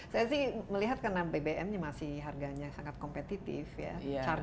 saya sih melihat karena bbm nya masih harganya sangat kompetitif ya